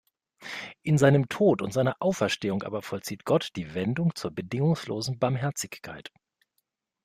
In seinem Tod und seiner Auferstehung aber vollzieht Gott die Wende zur bedingungslosen Barmherzigkeit.